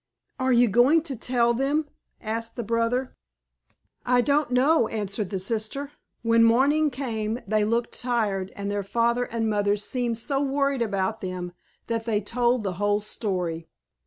"Are you going to tell them?" asked the brother. "I don't know," answered the sister. When morning came, they looked tired, and their father and mother seemed so worried about them that they told the whole story.